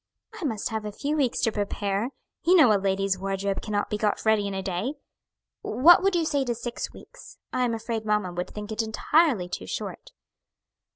"I must have a few weeks to prepare; you know a lady's wardrobe cannot be got ready in a day. What would you say to six weeks? I am afraid mamma would think it entirely too short."